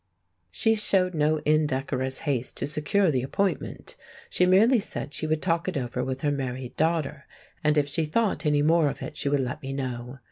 She showed no indecorous haste to secure the appointment. She merely said she would talk it over with her married daughter, and if she thought any more of it she would let me know.